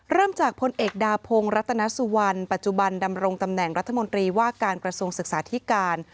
เริ่มจากพลเอกดาพงศ์รัตนสุวรรณปัจจุบันดำรงตำแหน่งรัฐมนตรีว่าการกระทรวงศึกษาธิการ